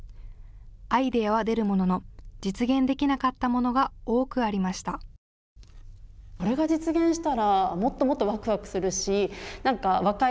アイデアは出るものの実現できなかったものが多くありました。